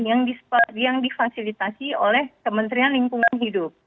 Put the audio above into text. yang difasilitasi oleh kementerian lingkungan hidup